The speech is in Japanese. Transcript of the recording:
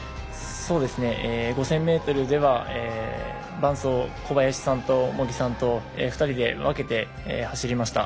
５０００ｍでは伴走、小林さんと茂木さんと２人で分けて走りました。